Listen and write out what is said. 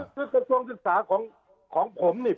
ซึ่งกระทรวงศึกษาของผมเนี่ย